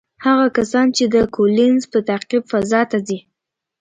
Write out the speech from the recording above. هغه کسان چې د کولینز په تعقیب فضا ته ځي،